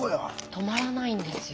止まらないんですよ。